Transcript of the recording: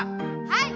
はい！